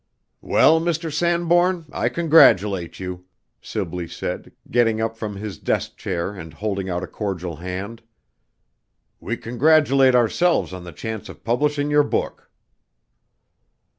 "Well, Mr. Sanbourne, I congratulate you!" Sibley said, getting up from his desk chair and holding out a cordial hand. "We congratulate ourselves on the chance of publishing your book."